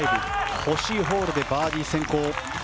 ほしいホールでバーディー先行。